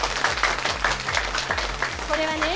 これはね